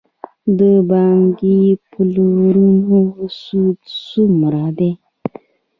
د بانکي پورونو سود څومره دی؟